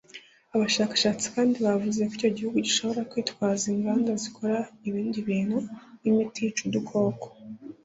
Abashakashatsi kandi bavuze ko icyo gihugu gishobora kwitwaza inganda zikora ibindi bintu nk’imiti yica udukoko